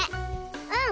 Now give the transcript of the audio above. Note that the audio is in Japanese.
うん！